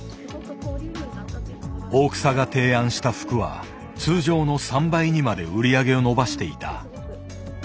大草が提案した服は通常の３倍にまで売り上げを伸ばしていた。